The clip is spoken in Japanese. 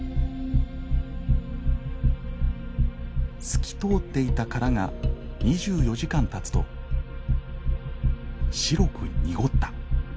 透き通っていた殻が２４時間たつと白く濁った。